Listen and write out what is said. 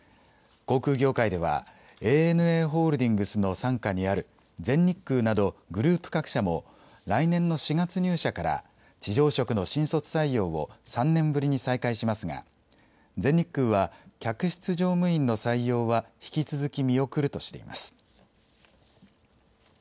航空業界では、ＡＮＡホールディングスの傘下にある全日空など、グループ各社も、来年の４月入社から、地上職の新卒採用を３年ぶりに再開しますが、全日空は、客室乗務員の採用は引き続き見送るとしています。